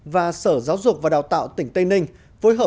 và sở giáo dục và đào tạo tỉnh tây ninh